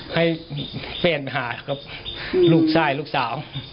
ให้เฟรนไปหาครับลูกสายลูกสาว